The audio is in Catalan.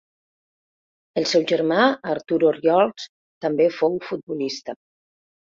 El seu germà Artur Orriols també fou futbolista.